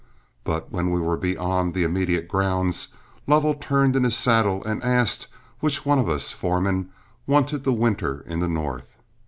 But when we were beyond the immediate grounds, Lovell turned in his saddle and asked which one of us foremen wanted to winter in the North.